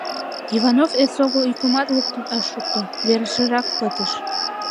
Иванов эсогыл йӱкымат луктын ыш шукто: верешыжак пытыш.